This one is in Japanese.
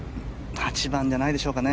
８番じゃないでしょうかね。